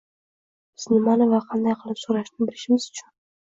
biz nimani va qanday qilib so‘rashni bilishimiz uchun